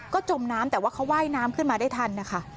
ก็จมน้ำแต่ว่าเขาว่ายน้ำขึ้นมาได้ทันนะคะ